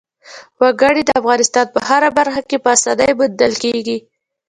وګړي د افغانستان په هره برخه کې په اسانۍ موندل کېږي.